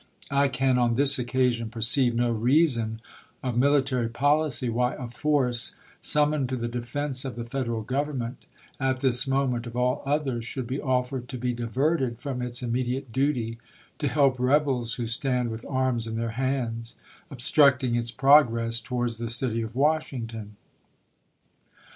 I can on this occasion perceive no rea son of military policy why a force, summoned to the defense of the Federal Government, at this mo ment of all others, should be offered to be diverted from its immediate duty, to help rebels who stand with arms in their hands, obstructing its progress towards the city of Washington."